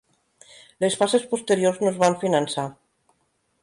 Les fases posteriors no es van finançar.